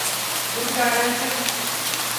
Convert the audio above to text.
ڳُڏ ڪاڍي سي